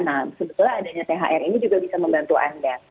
nah sebetulnya adanya thr ini juga bisa membantu anda